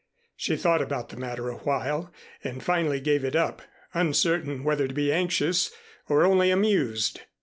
She thought about the matter awhile and finally gave it up, uncertain whether to be anxious or only amused.